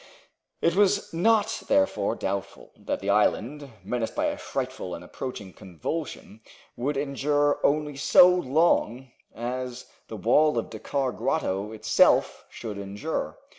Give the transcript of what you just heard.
It was not therefore doubtful that the island, menaced by a frightful and approaching convulsion, would endure only so long as the wall of Dakkar Grotto itself should endure.